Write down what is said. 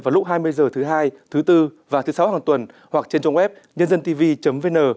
vào lúc hai mươi h thứ hai thứ bốn và thứ sáu hàng tuần hoặc trên trang web nhândântv vn